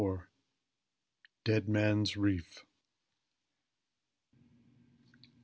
DEAD MAN'S REEF.